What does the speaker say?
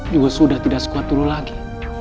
juga sudah tidak sekuat dulu lagi